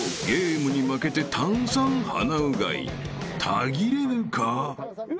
［たぎれるか？］